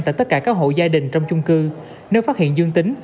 tại tất cả các hộ gia đình trong chung cư nếu phát hiện dương tính